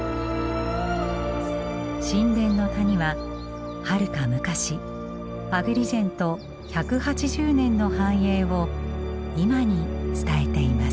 神殿の谷ははるか昔アグリジェント１８０年の繁栄を今に伝えています。